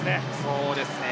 そうですね。